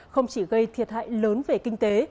không chỉ gây thiệt hại lớn về kinh tế